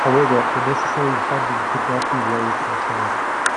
However, the necessary funding could not be raised in time.